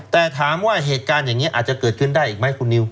แต่ถามว่าเหตุการณ์อย่างนี้อาจจะเกิดขึ้นได้อีกไหมคุณนิว